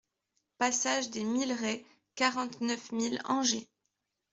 PASSAGE DES MEILLERAIES, quarante-neuf mille Angers